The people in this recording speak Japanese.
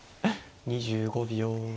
２５秒。